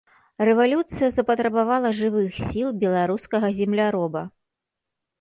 Рэвалюцыя запатрабавала жывых сіл беларускага земляроба.